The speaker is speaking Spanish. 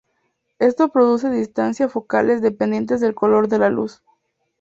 Esto produce distancias focales dependientes del color de la luz.